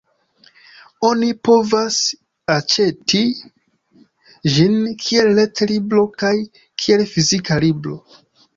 Oni povas aĉeti ĝin kiel ret-libro kaj kiel fizika libro.